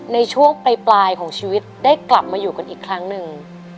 ในช่วงปลายของชีวิตได้กลับมาอยู่กันอีกครั้งหนึ่ง